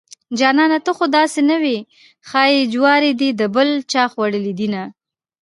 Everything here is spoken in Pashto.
جانانه ته خوداسې نه وې ښايي جواري دې دبل چاخوړلي دينه